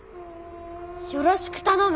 よろしく頼む。